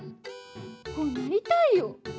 こうなりたいよ！